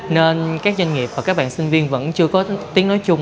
nên các doanh nghiệp và các bạn sinh viên vẫn chưa có tiếng nói chung